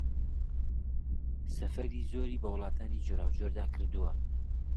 سەفەری زۆری بە وڵاتانی جۆراوجۆردا کردووە